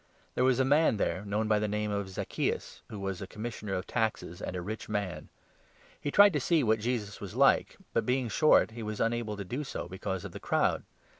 There was a man there, known 2 Tax gatherer, by the name of Zacchaeus, who was a commis sioner of taxes and a rich man. He tried to see what Jesus 3 was like ; but, being short, he was unable to do so because of the crowd.